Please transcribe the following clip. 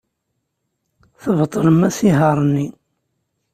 Tbeṭlem asihaṛ-nni.